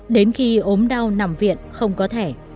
đến khi ốm đau nằm viện không có thẻ